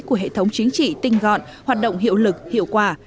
của hệ thống chính trị tinh gọn hoạt động hiệu lực hiệu quả